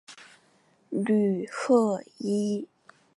吕赫伊。